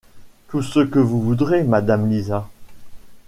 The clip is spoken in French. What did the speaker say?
Tout ce que vous voudrez, madame Lisa.